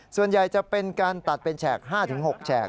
ส่วนใหญ่จะเป็นการตัดเป็นแฉก๕๖แฉก